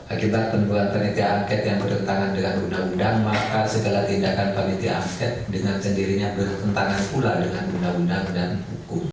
akibat penentuan penitia angket yang bertentangan dengan undang undang maka segala tindakan panitia angket dengan sendirinya bertentangan pula dengan undang undang dan hukum